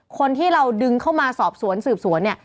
คนที่เราดึงเข้ามาสอบสวนสืบสวนเนี่ย